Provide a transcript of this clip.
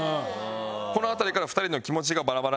この辺りから２人の気持ちがバラバラになります。